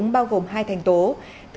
đối với các bạn học sinh